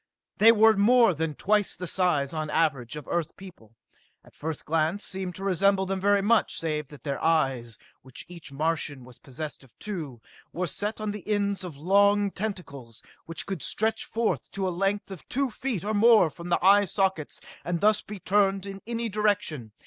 They were more than twice the size, on the average, of Earth people, and at first glance seemed to resemble them very much, save that their eyes, of which each Martian was possessed of two, were set on the ends of long tentacles which could stretch forth to a length of two feet or more from the eye sockets and thus be turned in any direction.